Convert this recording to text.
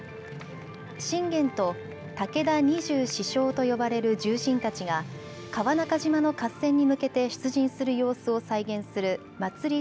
信玄と武田二十四将と呼ばれる重臣たちが川中島の合戦に向けて出陣する様子を再現する祭り